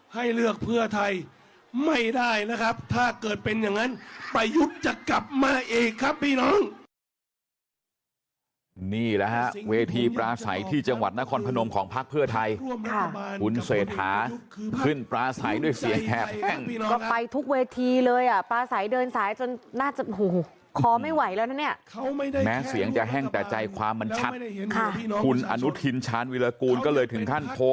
ให้เลือกเพื่อไทยไม่ได้นะครับถ้าเกิดเป็นอย่างนั้นประยุทธ์จะกลับมาอีกครับพี่น้อง